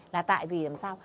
là tại vì làm sao